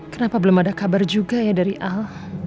kenapa belum ada kabar juga ya dari al